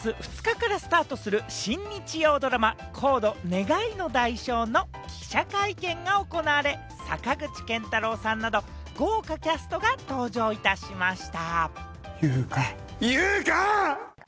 来月２日からスタートする新日曜ドラマ『ＣＯＤＥ‐願いの代償‐』の記者会見が行われ、坂口健太郎さんなど豪華キャストが登場いたしました。